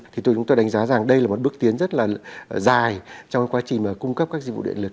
thì tôi chúng tôi đánh giá rằng đây là một bước tiến rất là dài trong cái quá trình cung cấp các dịch vụ điện lực